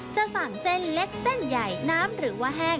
จะสั่งเส้นเล็กเส้นใหญ่น้ำหรือว่าแห้ง